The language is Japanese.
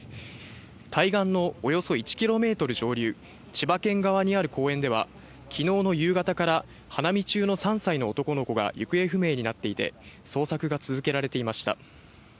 対岸のおよそ１キロメートル上流、千葉県側にある公園では、昨日の夕方から花見中の３歳の男の子が行方不明になっていて捜索が続けられていました。